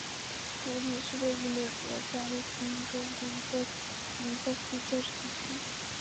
独立是位于美国加利福尼亚州卡拉韦拉斯县的一个非建制地区。